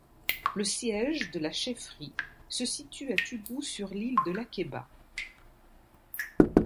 Le siège de la chefferie se situe à Tubou sur l'île de Lakeba.